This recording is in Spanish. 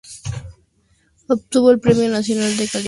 Obtuvo el Premio Nacional de Calidad en la materia.